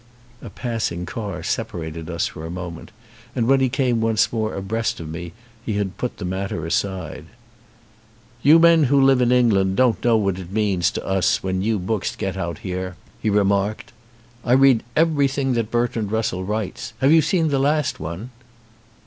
A passing car separated us for a moment and when he came once more abreast of me he had put the matter aside. "You men who live in England don't know what it means to us when new books get out here," he 68 HENDERSON remarked. "I read everything that Bertrand Russell writes. Have you seen the last one?